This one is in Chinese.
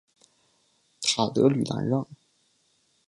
塔德吕兰让。